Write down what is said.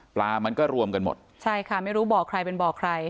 ปลามันก็รวมกันหมดใช่ค่ะไม่รู้บ่อใครเป็นบ่อใคร